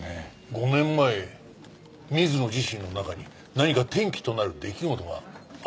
５年前水野自身の中に何か転機となる出来事があったという事か？